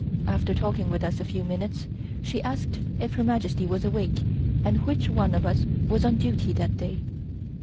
After talking with us a few minutes, she asked if Her Majesty was awake and which one of us was on duty that day.